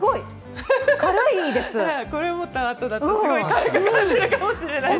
これ持ったあとだと、すごい軽く感じるかもしれないです。